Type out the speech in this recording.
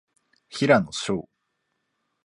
平野紫耀